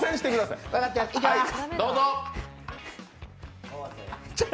いきまーす。